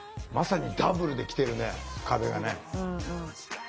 まさにダブルで来てるね壁がね。